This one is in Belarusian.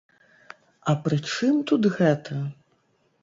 А пры чым тут гэта?